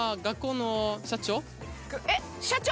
えっ社長？